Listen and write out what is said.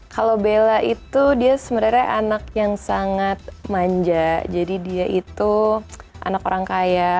kalau bella itu dia sebenarnya anak yang sangat manja jadi dia itu anak orang kaya